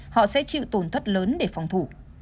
họ sẽ chịu tổn thất lớn để phòng thủ